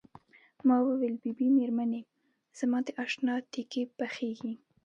ما وویل بي بي مېرمنې زما د اشنا تیکې پخیږي.